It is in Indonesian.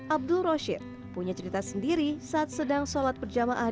abdul roshid punya cerita sendiri saat sedang sholat perjamaah